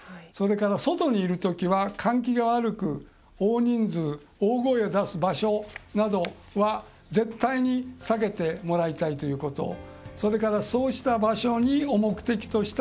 それから、外にいるときは換気が悪く大人数、大声を出す場所などは絶対に避けてもらいたいということ。